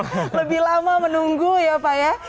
lebih lama menunggu ya pak ya